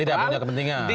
tidak punya kepentingan